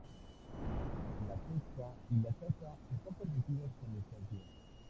La pesca y la caza están permitidas con licencias.